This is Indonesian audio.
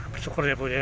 bersyukur ya bu